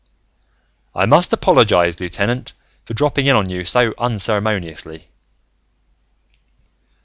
"I must apologize, lieutenant, for dropping in on you so unceremoniously."